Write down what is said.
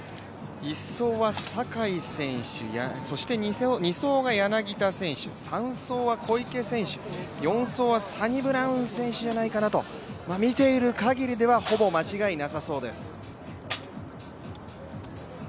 １走は坂井選手、２走が柳田選手、３走は小池選手、４走はサニブラウン選手ではないかと、見ている限りではほぼ間違いなさそうです。